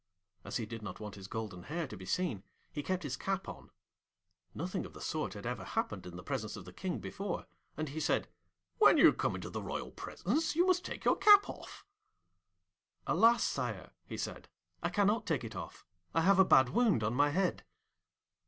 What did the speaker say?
As he did not want his golden hair to be seen, he kept his cap on. Nothing of the sort had ever happened in the presence of the King before, and he said, 'When you come into the royal presence, you must take your cap off.' 'Alas, Sire,' he said, 'I cannot take it off, I have a bad wound on my head.'